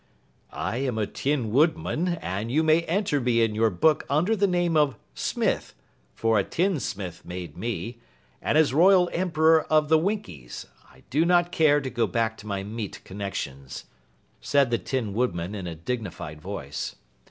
"I am a Tin Woodman, and you may enter me in your book under the name of Smith, for a tin Smith made me, and as Royal Emperor of the Winkies, I do not care to go back to my meat connections," said the Tin Woodman in a dignified voice.